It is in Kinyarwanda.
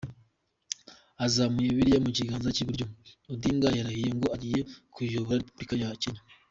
Azamuye Bibiliya mu kiganza cy’iburyo, Odinga yarahiye ko agiye kuyobora Repubulika ya Kenya.